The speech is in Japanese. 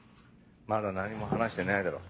まだ何も話してねえだろ。